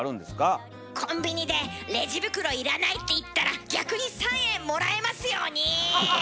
コンビニでレジ袋要らないって言ったら逆に３円もらえますように！